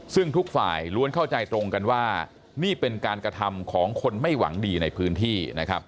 ซึ่งทุกฝ่ายล้วนเข้าใจตรงกันว่านี่เป็นการกระทำของคนไม่หวังดีในพื้นที่นะครับ